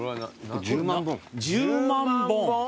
１０万本？